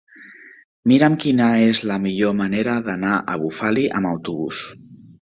Mira'm quina és la millor manera d'anar a Bufali amb autobús.